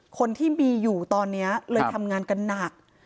คนที่มีอยู่ตอนนี้เลยทำงานกันหนัก